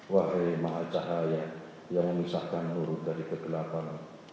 wahai maha cahaya yang menisahkan nurut dari kegelapan